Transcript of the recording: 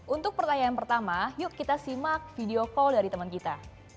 untuk pertanyaan pertama yuk kita simak video call dari teman kita